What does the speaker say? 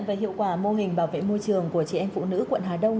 nghi nhận về hiệu quả mô hình bảo vệ môi trường của trẻ em phụ nữ quận hà đông